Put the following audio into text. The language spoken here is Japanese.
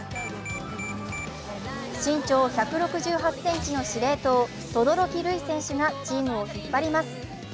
身長１６８ｃｍの司令塔、轟琉維選手がチームを引っ張ります。